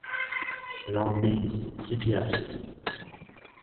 – রামদীন, চিঠি আছে?